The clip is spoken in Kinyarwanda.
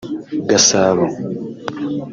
Gasabo